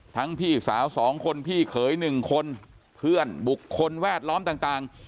พี่สาว๒คนพี่เขย๑คนเพื่อนบุคคลแวดล้อมต่าง